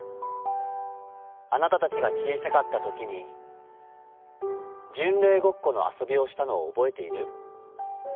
『あなたたちが小さかった時に、『巡礼ごっこ』の遊びをしたのを覚えている？